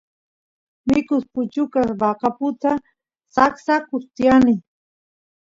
mikus puchukas maqaputa saksaqa tiyani